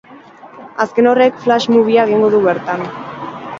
Azken horrek, flash movie-a egingo du bertan.